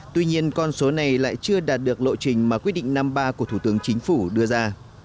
tuy nhiên con số này lại chưa đạt được lộ trình mà quyết định năm mươi ba của thủ tướng chính phủ đưa ra